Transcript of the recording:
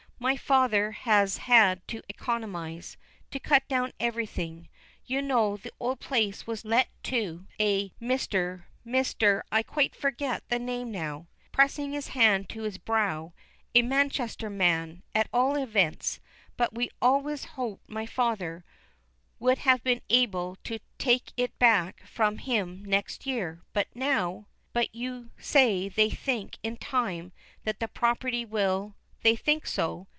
My father has had to economize, to cut down everything. You know the old place was let to a Mr. Mr. I quite forget the name now," pressing his hand to his brow; "a Manchester man, at all events, but we always hoped my father would have been able to take it back from him next year, but now " "But you say they think in time that the property will " "They think so.